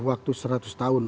waktu seratus tahun